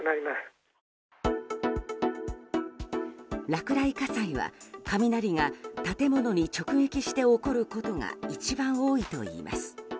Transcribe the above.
落雷火災は雷が建物に直撃して起こることが一番多いといいます。